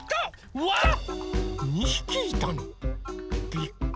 うわっ！